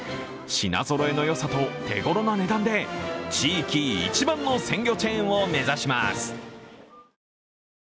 品ぞろえのよさと手ごろな値段で地域一番の鮮魚チェーンを目指します。